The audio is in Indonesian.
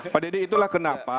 pak deddy itulah kenapa